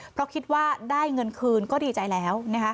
เพราะคิดว่าได้เงินคืนก็ดีใจแล้ว